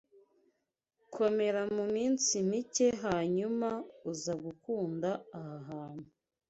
Komera muminsi mike hanyuma uza gukunda aha hantu.